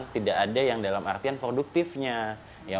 tidak ada yang dalam artian produktifnya